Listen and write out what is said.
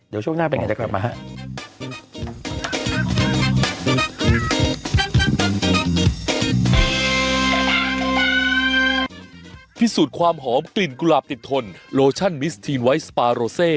เดี๋ยวช่วงหน้าเป็นอย่างไรจะกลับมา